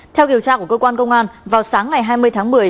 theo điều tra của cơ quan công an vào sáng ngày hai mươi tháng một mươi